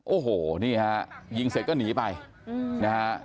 โอ้โหนี่ฮะยิงเสร็จก็หนีไปนะฮะ